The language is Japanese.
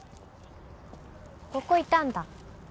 ここいたんだ